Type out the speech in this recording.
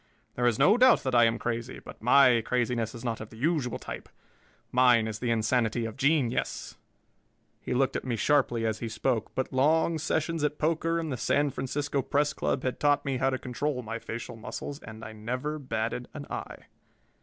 There is no doubt that I am crazy, but my craziness is not of the usual type. Mine is the insanity of genius." He looked at me sharply as he spoke, but long sessions at poker in the San Francisco Press Club had taught me how to control my facial muscles, and I never batted an eye.